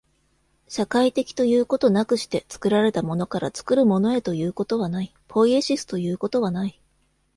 社会的ということなくして、作られたものから作るものへということはない、ポイエシスということはない。